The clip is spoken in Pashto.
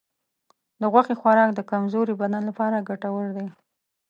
د غوښې خوراک د کمزورې بدن لپاره ګټور دی.